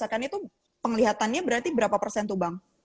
misalkan itu penglihatannya berarti berapa persen itu bang